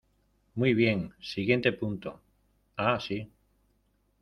Muy bien, siguiente punto. Ah , sí .